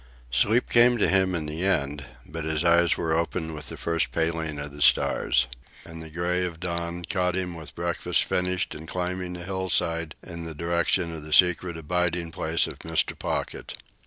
Sleep came to him in the end, but his eyes were open with the first paling of the stars, and the gray of dawn caught him with breakfast finished and climbing the hillside in the direction of the secret abiding place of Mr. Pocket.